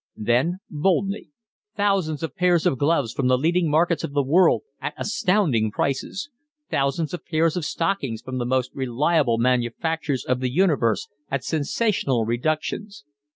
Then, boldly: Thousands of pairs of gloves from the leading markets of the world at astounding prices. Thousands of pairs of stockings from the most reliable manufacturers of the universe at sensational reductions.